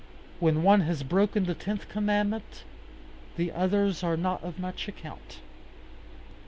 When one has broken the tenth commandment, the others are not of much account.